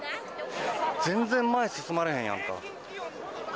全然、前に進まれへんやんか。